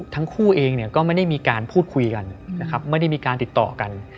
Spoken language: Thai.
ทั้งคู่เองก็ไม่ได้มีการพูดคุยกันนะครับไม่ได้มีการติดต่อกัน